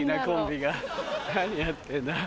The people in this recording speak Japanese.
何やってんだ？